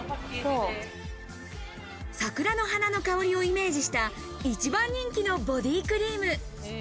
桜の花の香りをイメージした、一番人気のボディクリーム。